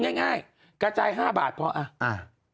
หรือง่ายกระจาย๕บาทเพราะ